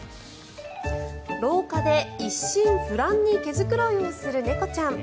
廊下で一心不乱に毛繕いをする猫ちゃん。